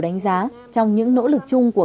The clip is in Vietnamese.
đánh giá trong những nỗ lực chung của